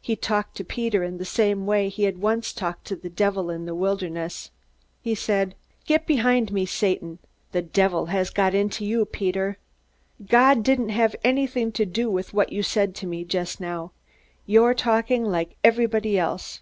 He talked to Peter in the same way he had once talked to the devil in the wilderness. He said: "Get behind me, Satan! The devil has got into you, Peter! God didn't have anything to do with what you said to me just now. You're talking like everybody else.